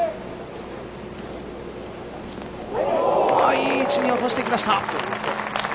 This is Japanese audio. いい位置に落としてきました。